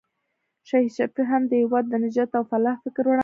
شهید شفیق هم د هېواد د نجات او فلاح فکر وړاندې کړ.